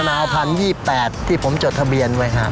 มะนาวพัน๒๘ที่ผมจดทะเบียนไว้ค่ะ